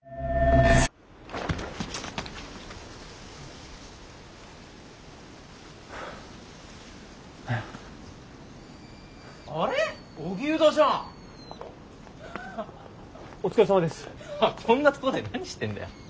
こんなとこで何してんだよ。